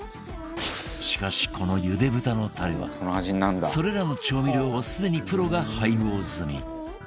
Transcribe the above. しかしこのゆで豚のたれはそれらの調味料をすでにプロが配合済み